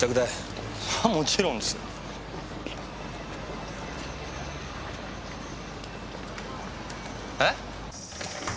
もちろんですよ。え？